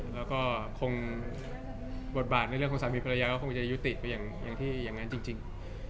แล้วก็คงบทบาทคงในความสังพิพยาปฏิรัยาคงจะยุติอย่างนั้นจริง